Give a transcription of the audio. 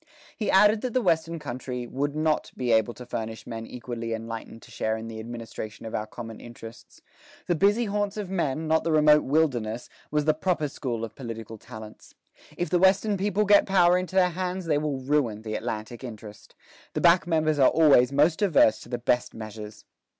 He added that the Western country "would not be able to furnish men equally enlightened to share in the administration of our common interests. The busy haunts of men, not the remote wilderness, was the proper school of political talents. If the Western people get power into their hands, they will ruin the Atlantic interest. The back members are always most averse to the best measures."